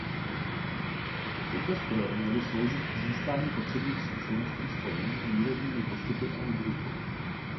Tyto stroje měly sloužit k získání potřebných zkušeností spojených s výrobními postupy a údržbou.